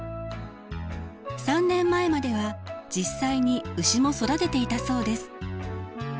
３年前までは実際に牛も育てていたそうです。